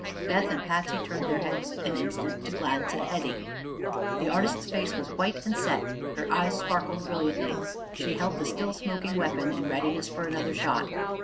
Beth and Patsy turned their heads an instant to glance at Hetty. The artist's face was white and set; her eyes sparkled brilliantly; she held the still smoking weapon in readiness for another shot.